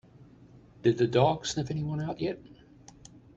Did the dog sniff anyone out yet?